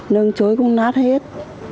nương chuối cũng nát hết